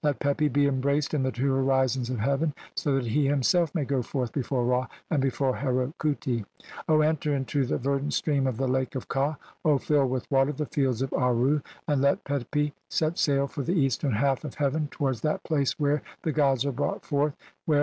"Let Pepi be embraced in the two horizons of "heaven, (171) so that he himself may go forth before "Ra and before Heru khuti." "O enter into the verdant stream of the Lake of "Kha, fill with water the Fields of Aaru, and let "Pepi set sail for the eastern half of heaven towards "that place where the gods are brought forth, where CXL INTRODUCTION.